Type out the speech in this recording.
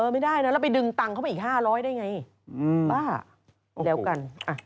ไม่ได้นะแล้วไปดึงตังค์เข้าไปอีก๕๐๐ได้ไงบ้าแล้วกัน